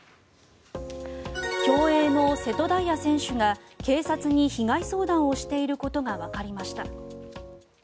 競泳の瀬戸大也選手が警察に被害相談をしていることがわかりました。